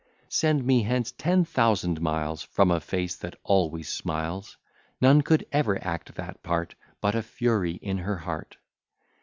Send me hence ten thousand miles, From a face that always smiles: None could ever act that part, But a fury in her heart.